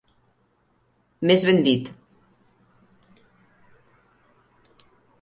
Més ben dit.